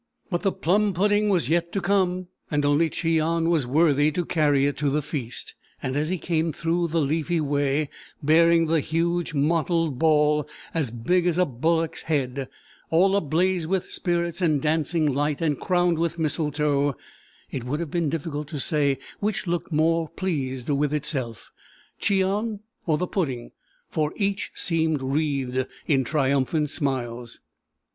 But the plum pudding was yet to come, and only Cheon was worthy to carry it to the feast; and as he came through the leafy way, bearing the huge mottled ball, as big as a bullock's head—all ablaze with spirits and dancing light and crowned with mistletoe—it would have been difficult to say which looked most pleased with itself, Cheon or the pudding; for each seemed wreathed in triumphant smiles.